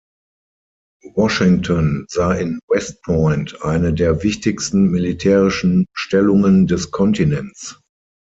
Washington sah in West Point eine der wichtigsten militärischen Stellungen des Kontinents.